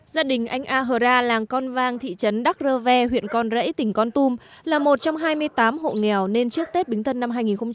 gia đình anh a hờ ra làng con vang thị trấn đắc rờ ve huyện con rẫy tỉnh con tùm là một trăm hai mươi tám hộ nghèo nên trước tết bính thân năm hai nghìn một mươi sáu